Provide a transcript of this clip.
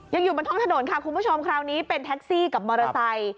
อยู่บนท้องถนนค่ะคุณผู้ชมคราวนี้เป็นแท็กซี่กับมอเตอร์ไซค์